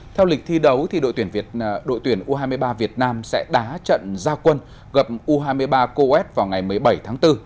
theo lịch thi đấu đội tuyển đội tuyển u hai mươi ba việt nam sẽ đá trận gia quân gặp u hai mươi ba coes vào ngày một mươi bảy tháng bốn